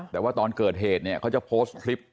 แต่ว่าตอนเกิดเหตุเนี่ยเขาจะโพสต์คลิป